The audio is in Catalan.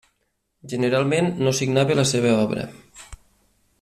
Generalment, no signava la seva obra.